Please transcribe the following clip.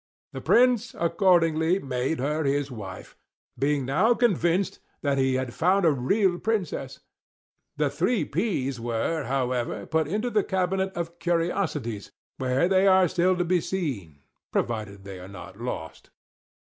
The Prince accordingly made her his wife; being now convinced that he had found a real Princess. The three peas were however put into the cabinet of curiosities, where they are still to be seen, provided they are not lost.